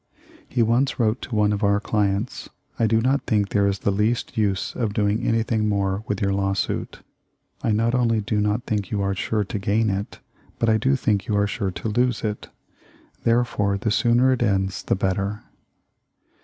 He once wrote to one of our clients: "I do not think there is the least use of doing anything more with your lawsuit. I not only do not think you are sure to gain it, but I do think you are sure to lose it. Therefore the sooner it ends the better."